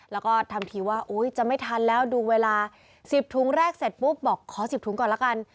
แล้วก็ทำทีว่าจะไม่ทันแล้วดูเวลา๑๐ถุงแรกเสร็จปุ๊บบอกขอ๑๐ถุงก่อนละกัน